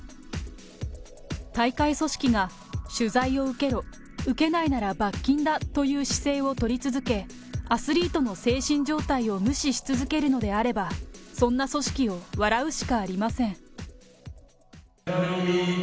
大会組織が取材を受けろ、受けないなら罰金だという姿勢を取り続け、アスリートの精神状態を無視し続けるのであれば、そんな組織を笑うしかありません。